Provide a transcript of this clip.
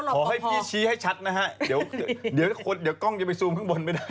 ขอให้พี่ชี้ให้ชัดนะฮะเดี๋ยวกล้องจะไปซูมข้างบนไม่ได้